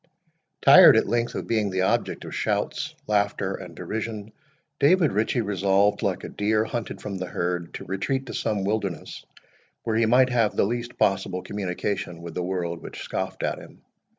Tired at length of being the object of shouts, laughter, and derision, David Ritchie resolved, like a deer hunted from the herd, to retreat to some wilderness, where he might have the least possible communication with the world which scoffed at him.